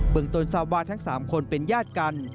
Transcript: เบื้องตนซาวาทั้ง๓คนเป็นญาติกัน